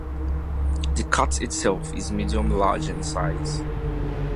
The cat itself is medium-large in size.